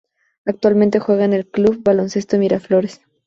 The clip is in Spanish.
Actualmente juega en el club Club Baloncesto Miraflores.